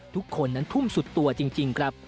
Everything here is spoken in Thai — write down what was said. ทุกคนนั้นทุ่มสุดตัวจริงครับ